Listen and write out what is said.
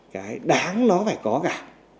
cái đáng nó phải có cả